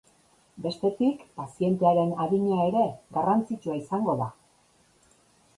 Bestetik pazientearen adina ere garrantzitsua izango da.